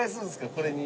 これに。